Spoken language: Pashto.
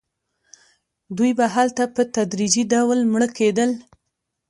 دوی به هلته په تدریجي ډول مړه کېدل.